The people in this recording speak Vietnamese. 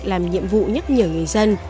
làm nhiệm vụ nhắc nhở người dân